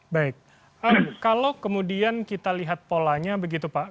baik kalau kemudian kita lihat polanya begitu pak